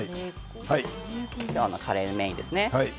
今日のカレーがメインですね。